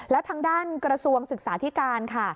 แล้วทางด้านกระทรวงศึกษาธิการค่ะ